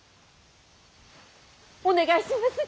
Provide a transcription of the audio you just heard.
お願いします！